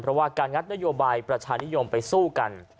เพราะว่าการงัดนโยบายประชานิยมไปสู้กัน